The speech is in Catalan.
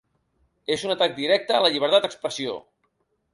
És un atac directe a la llibertat d'expressió.